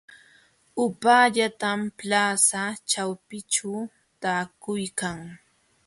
Upaallallaam plaza ćhawpinćhu taakuykan.